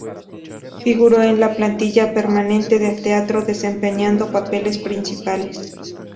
Figuró en la plantilla permanente del teatro, desempeñando papeles principales.